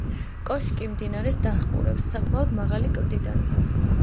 კოშკი მდინარეს დაჰყურებს საკმაოდ მაღალი კლდიდან.